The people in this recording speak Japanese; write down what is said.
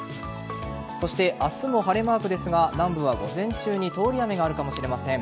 そして、明日も晴れマークですが南部は、午前中に通り雨があるかもしれません。